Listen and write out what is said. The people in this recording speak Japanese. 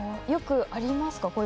よくありますか？